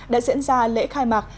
đã diễn ra lễ khai mạc